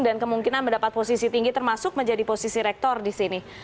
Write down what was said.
dan kemungkinan mendapat posisi tinggi termasuk menjadi posisi rektor di sini